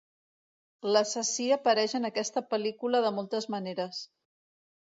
L'assassí apareix en aquesta pel·lícula de moltes maneres.